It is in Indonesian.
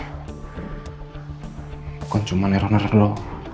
bukan cuma neror neror lo